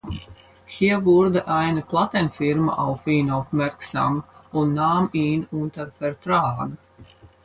Hier wurde eine Plattenfirma auf ihn aufmerksam und nahm ihn unter Vertrag.